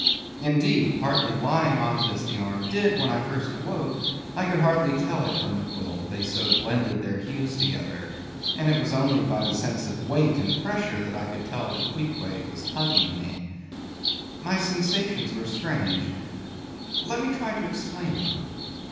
Indeed, partly lying on it as the arm did when I first awoke, I could hardly tell it from the quilt, they so blended their hues together; and it was only by the sense of weight and pressure that I could tell that Queequeg was hugging me. My sensations were strange. Let me try to explain them.